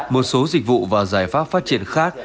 một số dịch vụ và giải pháp phát triển khác